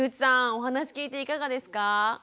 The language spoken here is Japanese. お話聞いていかがですか？